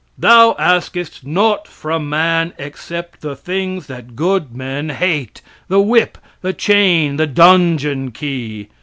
Thou askest naught from man except the things that good men hate, the whip, the chain, the dungeon key.